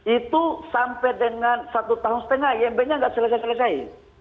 itu sampai dengan satu tahun setengah imb nya nggak selesai selesai